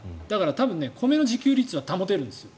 多分、米の自給率は保てるんですよ。